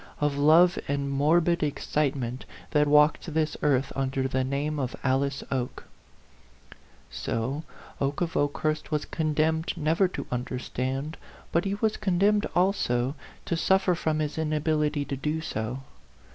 of love of morbid excitement, that walked this earth under the name of Alice Oke? 7 98 A PHANTOM LOVER. So Oke of Okehurst was condemned never to understand ; but he was condemned also to suffer from his inability to do so.